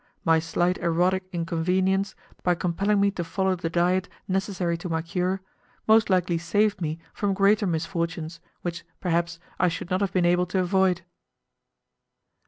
My slight erotic inconvenience, by compelling me to follow the diet necessary to my cure, most likely saved me from greater misfortunes which, perhaps, I should not have been able to avoid.